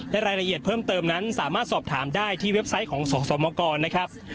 และรายละเอียดเพิ่มเติมนั้นสามารถสอบถามได้ที่เว็บไซต์ของสสมกรนะครับ